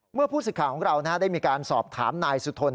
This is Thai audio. เมื่อผู้สิทธิ์ของเราได้มีการสอบถามนายสุธน